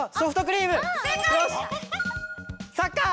サッカー！